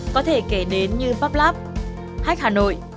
có thể kể đến như publab hac hà nội